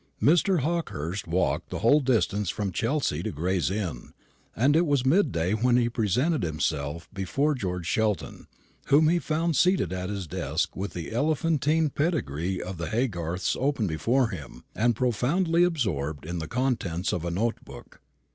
Mr. Hawkehurst walked the whole distance from Chelsea to Gray's Inn; and it was midday when he presented himself before George Sheldon, whom he found seated at his desk with the elephantine pedigree of the Haygarths open before him, and profoundly absorbed in the contents of a note book.